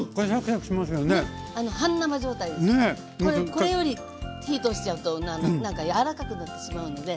これより火通しちゃうとなんかやわらかくなってしまうので。